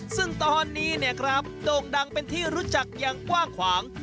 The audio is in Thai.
ซึ่งตอนนี้เนี่ยครับโด่งดังเป็นที่รู้จักอย่างกว้างขวาง